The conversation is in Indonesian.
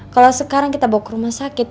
kalau sekarang kita bawa ke rumah sakit